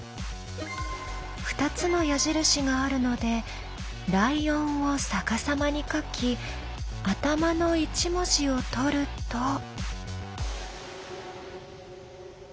２つの矢印があるので「ｌｉｏｎ」を逆さまに書き頭の１文字を取ると。